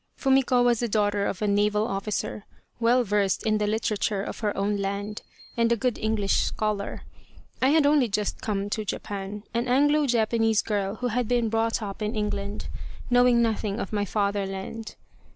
Fumiko was the daughter of a naval officer, well versed in the literature of her own land, and a good English scholar. I had only just come to Japan, an Anglo Japanese girl who had been brought up in England, knowing nothing of my fatherland.